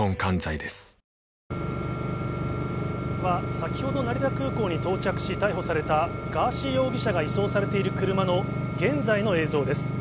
先ほど成田空港に到着し、逮捕されたガーシー容疑者が移送されている車の現在の映像です。